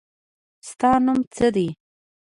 ستا نوم څه دی ؟